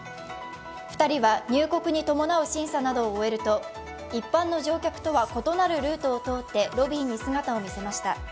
２人は入国に伴う審査などを終えると一般の乗客とは異なるルートを通って、ロビーに姿を見せました。